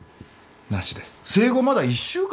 生後まだ１週間だろ。